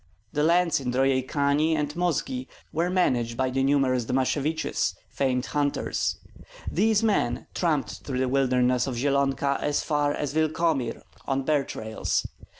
The lands in Drojeykani and Mozgi were managed by the numerous Domasheviches, famed hunters; these men tramped through the wilderness of Zyelonka as far as Wilkomir on bear trails.